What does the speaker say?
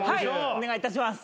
お願いいたします。